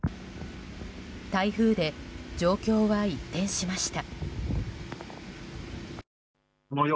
台風で状況は一変しました。